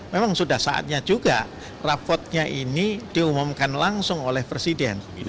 memang sudah saatnya juga rapotnya ini diumumkan langsung oleh presiden